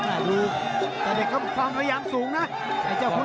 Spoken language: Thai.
หน้าลืกแต่เด็กเขาความพยายามสูงนะไอ้เจ้าคุณหาค